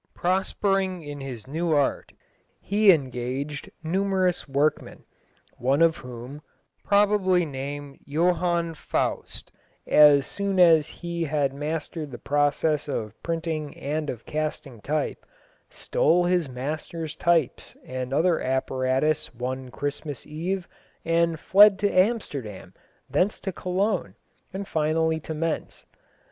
Prospering in his new art, he engaged numerous workmen, one of whom, probably named Johann Faust, as soon as he had mastered the process of printing and of casting type, stole his master's types and other apparatus one Christmas Eve, and fled to Amsterdam, thence to Cologne, and finally to Mentz.